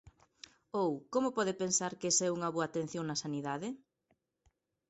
Ou ¿como pode pensar que esa é unha boa atención na sanidade?